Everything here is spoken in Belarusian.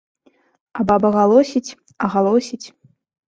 А баба галосіць а галосіць.